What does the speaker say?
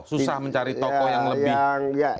susah mencari tokoh yang lebih